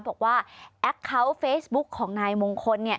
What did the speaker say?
แอคเคาน์เฟซบุ๊กของนายมงคล